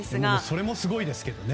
それもすごいですけどね。